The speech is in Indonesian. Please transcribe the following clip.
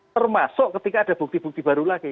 termasuk ketika ada bukti bukti baru lagi